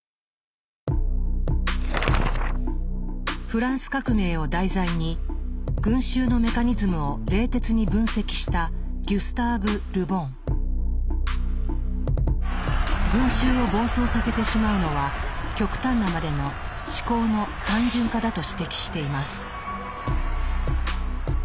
フランス革命を題材に群衆のメカニズムを冷徹に分析した群衆を暴走させてしまうのは極端なまでの思考の単純化だと指摘しています。